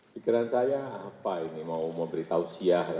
pikiran saya apa ini mau memberitahu siah